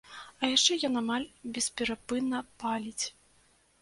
А яшчэ ён амаль бесперапынна паліць.